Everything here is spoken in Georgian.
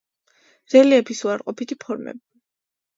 რელიეფის უარყოფითი ფორმები.